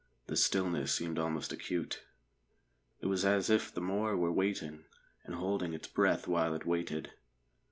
The stillness seemed almost acute. It was as if the moor were waiting, and holding its breath while it waited.